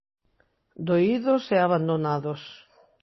Doídos e abandonados.